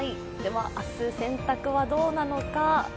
明日、洗濯はどうなのか。